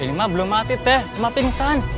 ini mah belum mati teh cuma pingsan